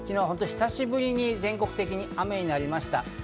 昨日は本当に久しぶりに全国的に雨になりました。